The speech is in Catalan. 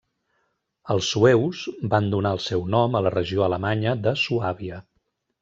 Els sueus van donar el seu nom a la regió alemanya de Suàbia.